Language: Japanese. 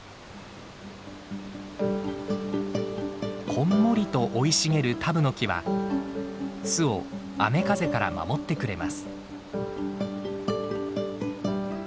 こんもりと生い茂るタブノキは巣を雨風から守ってくれます。